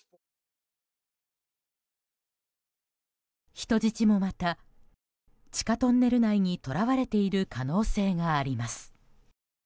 人質もまた、地下トンネル内に捕らわれている可能性があります。